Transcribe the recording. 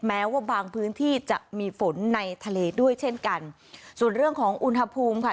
แม้ว่าบางพื้นที่จะมีฝนในทะเลด้วยเช่นกันส่วนเรื่องของอุณหภูมิค่ะ